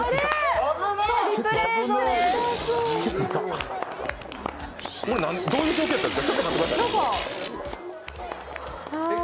これどういう状況だったんですか。